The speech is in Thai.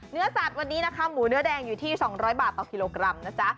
เนื้อสัตว์วันนี้นะคะหมูเนื้อแดงอยู่ที่๒๐๐บาทต่อกิโลกรัมนะจ๊ะ